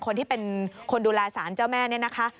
คนที่เป็นคนดูแลสารเจ้าแม่เนี่ยนะคะ